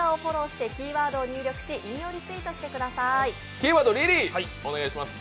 キーワードはリリーお願いします。